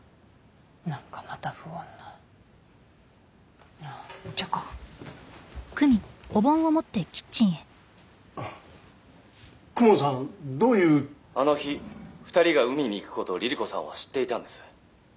なんかまた不穏なああお茶か公文さんどういう「あの日２人が海に行くことをリリ子さんは知っていたんです」